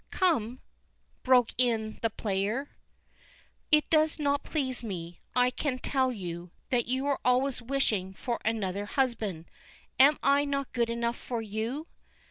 "Come," broke in the player, "it does not please me, I can tell you, that you are always wishing for another husband; am I not good enough for you?"